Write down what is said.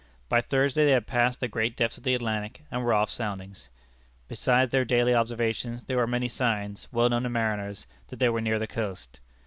By Thursday they had passed the great depths of the Atlantic, and were off soundings. Besides their daily observations, there were many signs, well known to mariners, that they were near the coast.